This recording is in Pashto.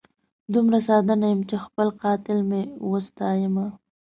دومره ساده نه یم چي خپل قاتل مي وستایمه